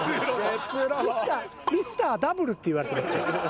「ミスターダブル」っていわれてますから。